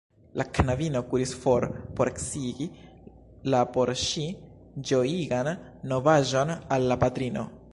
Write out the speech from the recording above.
La knabino kuris for por sciigi la por ŝi ĝojigan novaĵon al la patrino.